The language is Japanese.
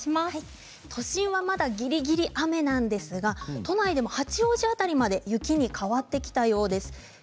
都心はまだぎりぎり雨なんですけれど都内でも八王子辺りまで雪に変わってきたようです。